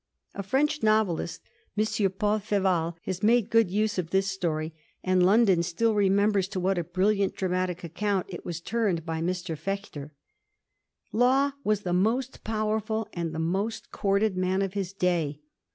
A French novelist, M. Paul Feval, has made good use of this story, and London still remembers to what a bril liant dramatic account it was turned by Mr. Fechter. Law was the most powerful and the most qourted man of his day.